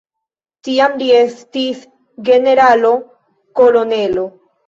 Tiam li estis generalo-kolonelo.